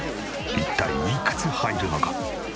一体いくつ入るのか？